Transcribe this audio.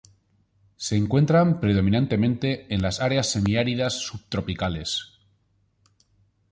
Se encuentran predominantemente en las áreas semiáridas subtropicales.